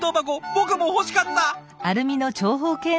僕も欲しかった！